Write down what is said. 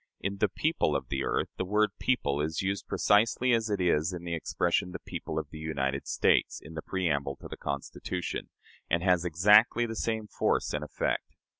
In "the people of the earth," the word people is used precisely as it is in the expression "the people of the United States" in the preamble to the Constitution, and has exactly the same force and effect.